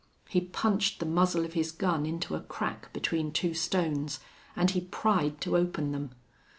He punched the muzzle of his gun into a crack between two stones, and he pried to open them.